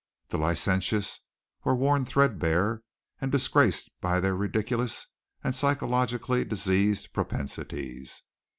The licentious were worn threadbare and disgraced by their ridiculous and psychologically diseased propensities.